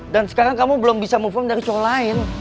dan sekarang kamu belum bisa move on dari cowok lain